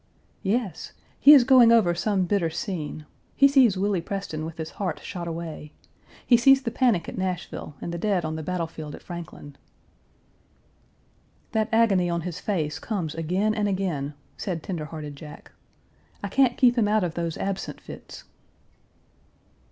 "Yes. He is going over some bitter scene; he sees Willie Preston with his heart shot away. He sees the panic at Nashville and the dead on the battlefield at Franklin." "That agony on his face comes again and again," said tender hearted Jack. "I can't keep him out of those absent fits."